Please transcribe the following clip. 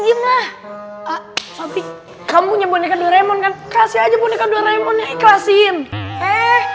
diemlah tapi kamu punya boneka doraemon kasih aja boneka doraemon ikhlasin eh